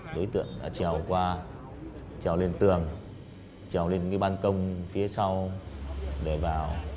đối tượng đã trèo qua trèo lên tường trèo lên cái bàn công phía sau để vào